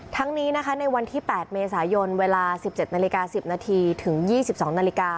ทั้งนี้ในวันที่๘เมษายน๑๗๑๐ที่ถึง๒๒๐๐น